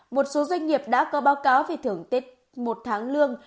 một số doanh nghiệp đã có báo cáo về thưởng tết một tháng lương